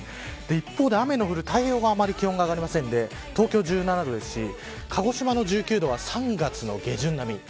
一方で雨の降る太平洋側は気温が上がらず東京は１７度ですし鹿児島の１９度は３月下旬並み。